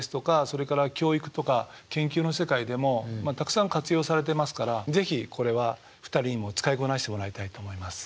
それから教育とか研究の世界でもたくさん活用されてますから是非これは２人にも使いこなしてもらいたいと思います。